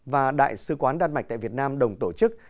và đại sứ quán đan mạch tại việt nam đồng tổ chức